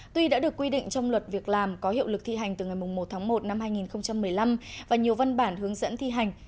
tuy đã được quy định trong luật việc làm có hiệu lực thi hành từ ngày một tháng một năm hai nghìn một mươi năm và nhiều văn bản hướng dẫn thi hành